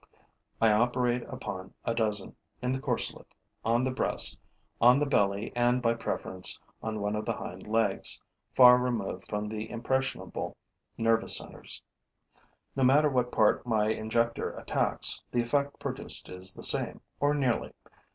I operate upon a dozen, in the corselet, on the breast, on the belly and, by preference, on one of the hind legs, far removed from the impressionable nervous centers. No matter what part my injector attacks, the effect produced is the same, or nearly.